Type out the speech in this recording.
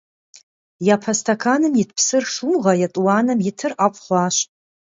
Япэ стэканым ит псыр шыугъэ, етӀуанэм итыр ӀэфӀ хъуащ.